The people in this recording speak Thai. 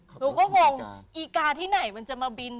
หนูก็งงอีกาที่ไหนมันจะมาบิน